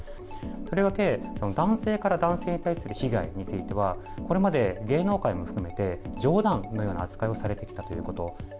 とりわけ男性から男性に対する被害は、これまで芸能界も含めて、冗談のような扱いをされてきたということ。